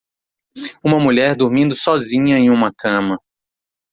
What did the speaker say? Uma mulher dormindo sozinha em uma cama.